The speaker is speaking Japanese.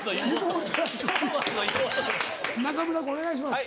中村君お願いします。